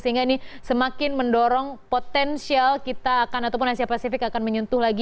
sehingga ini semakin mendorong potensial kita akan ataupun asia pasifik akan menyentuh lagi